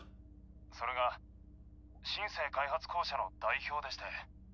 それが「シン・セー開発公社」の代表でして。